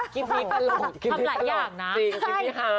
คลิปนี้ตลอดคลิปนี้ตลอดจริงค่ะ